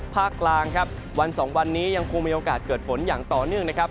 ภาคกลางครับวันสองวันนี้ยังคงมีโอกาสเกิดฝนอย่างต่อเนื่องนะครับ